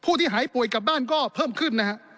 ที่หายป่วยกลับบ้านก็เพิ่มขึ้นนะฮะ